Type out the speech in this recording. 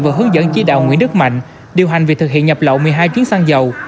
vừa hướng dẫn chỉ đạo nguyễn đức mạnh điều hành việc thực hiện nhập lậu một mươi hai chuyến xăng dầu